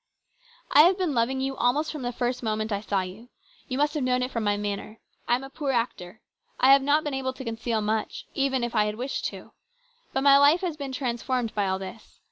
" I have been loving you almost from the first moment I saw you. You must have known it from my manner. I am a poor actor. I have not been able to conceal much, even if I had wished to. But my life has been transformed by all this.